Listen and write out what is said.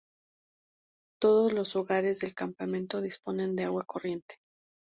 Todos los hogares del campamento disponen de agua corriente.